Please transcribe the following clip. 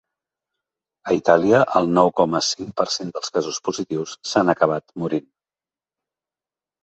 A Itàlia, el nou coma cinc per cent dels casos positius s’han acabat morint.